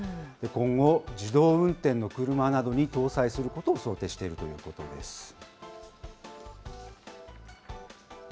今後、自動運転の車などに搭載することを想定しているということです。